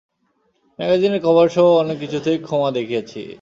ম্যাগাজিনের কভারসহ অনেককিছুতেই খোমা দেখিয়েছি।